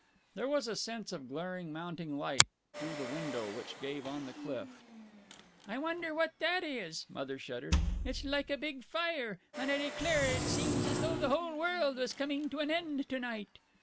There was a sense of glaring mounting light through the window which gave on the cliff. "I wonder what that is," Mother shuddered. "It's like a big fire. I declare it seems as though the whole world was coming to an end to night."